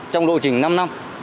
trong lộ trình năm năm